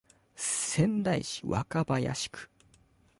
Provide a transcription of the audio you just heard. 仙台市若林区